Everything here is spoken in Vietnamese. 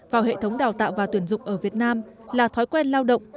vào hệ thống đào tạo và tuyển dụng ở việt nam là thói quen lao động